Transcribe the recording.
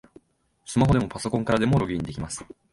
スマホでもパソコンからでもログインできます